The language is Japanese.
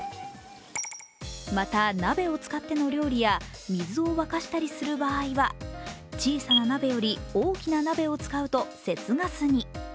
また、鍋を使っての料理や、水を沸かしたりする場合は、小さな鍋より大きな鍋を使うと節ガスに。